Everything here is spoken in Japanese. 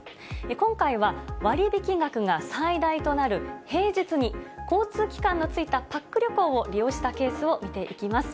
今回は割引額が最大となる平日に交通機関のついたパック旅行を利用したケースを見ていきます。